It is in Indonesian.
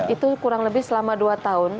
itu kurang lebih selama dua tahun